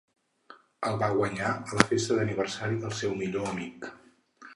El va guanyar a la festa d'aniversari del seu millor amic.